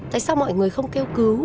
tại sao mọi người không kêu cứu